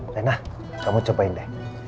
rena kamu cobain deh